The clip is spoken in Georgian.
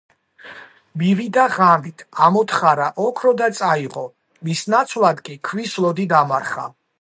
მივიდა ღამით, ამოთხარა ოქრო და წაიღო, მის ნაცვლად კი ქვის ლოდი დამარხა.